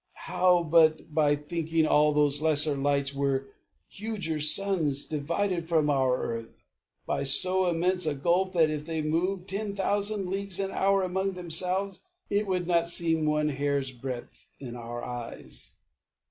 How, but by thinking all those lesser lights Were huger suns, divided from our earth By so immense a gulf that, if they moved Ten thousand leagues an hour among themselves, It would not seem one hair's breadth to our eyes.